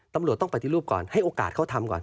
ตำรวจต้องปฏิรูปก่อนให้โอกาสเขาทำก่อน